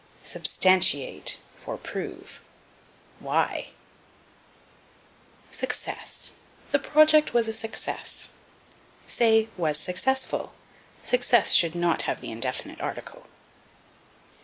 Substantiate for Prove. Why? Success. "The project was a success." Say, was successful. Success should not have the indefinite article.